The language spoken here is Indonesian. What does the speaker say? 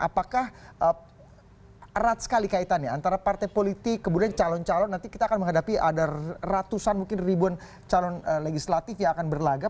apakah erat sekali kaitannya antara partai politik kemudian calon calon nanti kita akan menghadapi ada ratusan mungkin ribuan calon legislatif yang akan berlagak